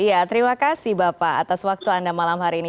iya terima kasih bapak atas waktu anda malam hari ini